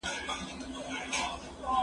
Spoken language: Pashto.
زه اوږده وخت پوښتنه کوم!!